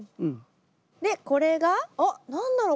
でこれがあっ何だろう？